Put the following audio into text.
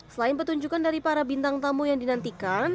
selain petunjukan dari para bintang tamu yang dinantikan